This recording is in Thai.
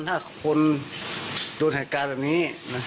ถ้าคนโดนเหตุการณ์แบบนี้